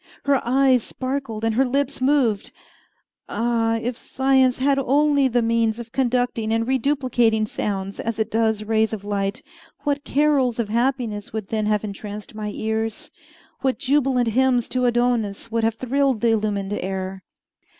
Her eyes sparkled and her lips moved. Ah! if science had only the means of conducting and reduplicating sounds, as it does rays of light, what carols of happiness would then have entranced my ears! what jubilant hymns to Adonais would have thrilled the illumined air!